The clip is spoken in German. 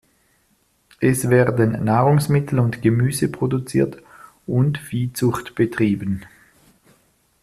Es werden Nahrungsmittel und Gemüse produziert und Viehzucht betrieben.